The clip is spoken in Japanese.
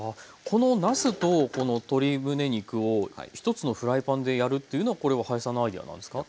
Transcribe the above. このなすとこの鶏むね肉を一つのフライパンでやるっていうのはこれは林さんのアイデアなんですか？